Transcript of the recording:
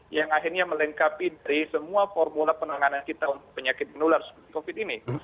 yang akhirnya melengkapi dari semua formula penanganan kita untuk penyakit menular seperti covid ini